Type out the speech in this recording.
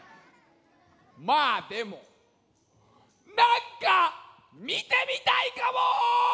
まあでもなんかみてみたいかも！